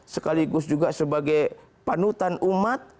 sekaligus juga sebagai panutan umat